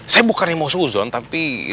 saya bukannya mau suuzon tapi